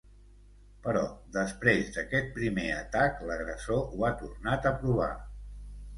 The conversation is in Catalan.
Però després d’aquest primer atac, l’agressor ho ha tornat a provar.